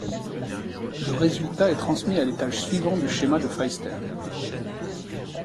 Le résultat est transmis à l'étage suivant du schéma de Feistel.